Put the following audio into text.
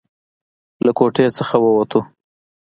له کوټې څخه ووتو.